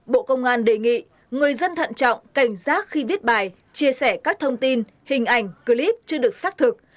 bộ công an đề nghị người dân thận trọng cảnh giác khi viết bài chia sẻ các thông tin hình ảnh clip chưa được xác thực